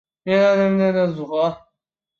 并将簇展开整理成迈耶函数的组合。